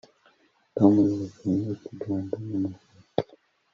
Tom yirukanye ikiganza mu musatsi